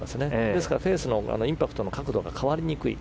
ですからフェースのインパクトの角度が変わりにくい。